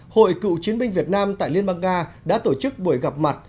hội cựu chiến binh việt nam tại liên bang nga đã tổ chức buổi gặp mặt